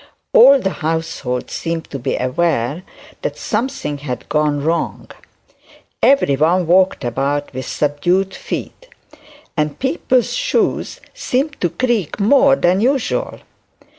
All the household seemed to be aware that something had gone wrong. Every one walked about with subdued feet, and people's shoes seemed to creak more than usual.